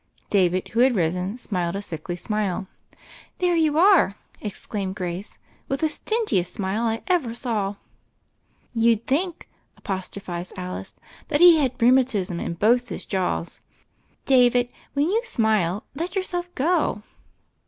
David, who had risen, smiled a sickly smile. "There you are," exclaimed Grace, "with the stingiest smile I ever saw." "You'd .think," apostrophized Alice, "that he had rheumatism in both his jaws. David, when you smile, let yourself go."